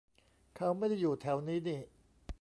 เขาไม่ได้อยู่แถวนี้นี่